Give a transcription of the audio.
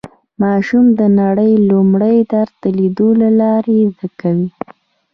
ماشوم د نړۍ لومړی درس د لیدلو له لارې زده کوي